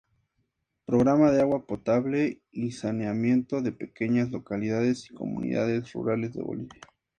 Programa de Agua Potable y Saneamiento de Pequeñas Localidades y Comunidades Rurales de Bolivia.